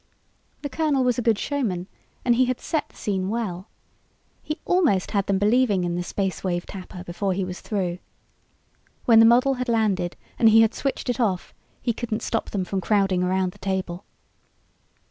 The colonel was a good showman and he had set the scene well. He almost had them believing in the Space Wave Tapper before he was through. When the model had landed and he had switched it off he couldn't stop them from crowding around the table.